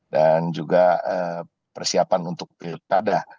dan juga persiapan untuk pilkada